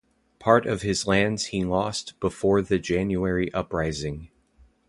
Part of his lands he lost before the January Uprising.